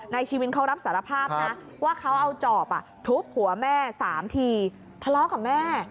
ชีวินเขารับสารภาพนะว่าเขาเอาจอบทุบหัวแม่๓ทีทะเลาะกับแม่